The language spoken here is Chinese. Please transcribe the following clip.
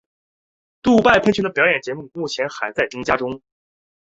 杜拜喷泉的表演曲目目前还在增加中。